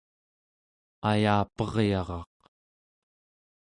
ayaperyaraq